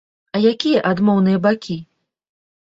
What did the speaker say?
А якія адмоўныя бакі?